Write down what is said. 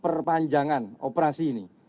perpanjangan operasi ini